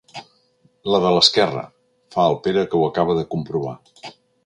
La de l'esquerra —fa el Pere, que ho acaba de comprovar—.